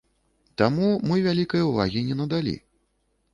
Таму мы вялікай увагі не надалі.